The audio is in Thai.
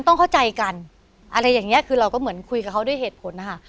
ต้องเข้าใจกันอะไรอย่างนี้คือเราก็เหมือนคุยกับเขาด้วยเหตุผลนะคะ